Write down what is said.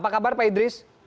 apa kabar pak idris